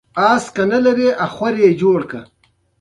سلطان اجازه ورنه کړه.